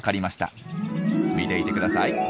見ていてください。